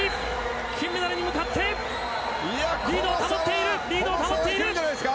金メダルに向かって、リードを保っている、リードを保っている。